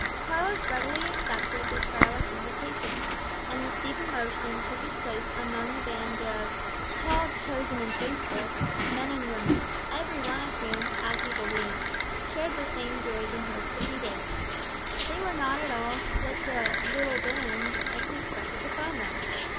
Carlos readily accepted the perilous invitation, and with deep emotion took his place amongst the band of "called, chosen, and faithful" men and women, every one of whom, as he believed, shared the same joys and hopes that he did. They were not at all such a "little band" as he expected to find them.